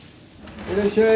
いらっしゃい。